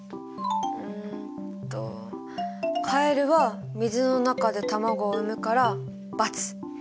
うんとカエルは水の中で卵を産むから×。